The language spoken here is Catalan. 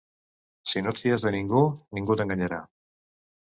Si no et fies de ningú, ningú t'enganyarà.